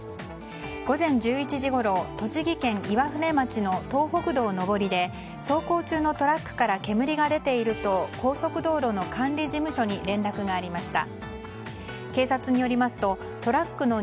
午前１１時ごろ栃木県岩舟町の東北道上りで走行中のトラックから煙が出ていると高速道路の管理事務所に連絡がありました。